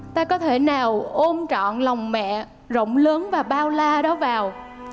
ta có thể nào ôm chọn lòng mẹ rộng lớn và bao la đó vào